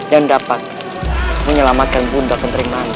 dan dapat menyelamatkan bunda keteriman